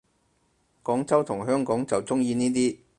廣州同香港就鍾意呢啲